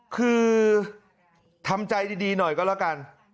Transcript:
คือทำใจดีหน่อยก็แล้วกัน